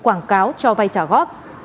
quảng cáo cho vay trả góp